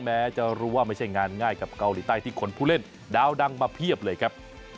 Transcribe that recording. แม้จะรู้ว่าไม่ใช่งานง่ายกับเกาหลีใต้ที่คนผู้เล่นดาวดังมาเพียบเลยครับ